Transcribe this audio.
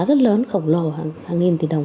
rất lớn khổng lồ hàng nghìn tỷ đồng